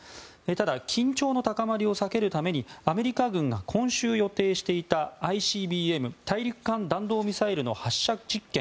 ただ、緊張の高まりを避けるためにアメリカ軍が今週予定していたＩＣＢＭ・大陸間弾道ミサイルの発射実験